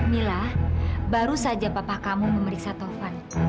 mila baru saja papa kamu memeriksa tovan